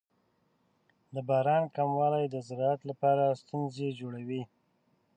د باران کموالی د زراعت لپاره ستونزې جوړوي.